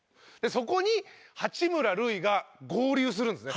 そこに八村塁が合流するんですね。